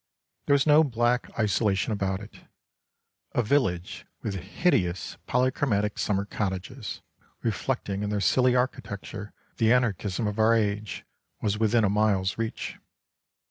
There was no black isolation about it. A village with hideous polychromatic summer cottages, reflecting in their silly architecture the anarchism of our age, was within a mile's reach.